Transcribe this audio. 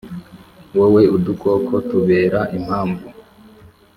wowe udukoko tubera impamvu